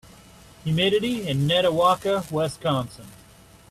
humidity in Netawaka Wisconsin